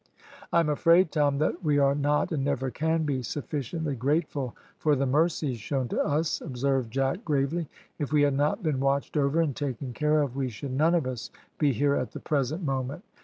"I am afraid, Tom, that we are not, and never can be, sufficiently grateful for the mercies shown to us," observed Jack gravely. "If we had not been watched over and taken care of, we should none of us be here at the present moment.